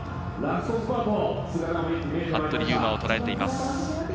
服部勇馬をとらえています。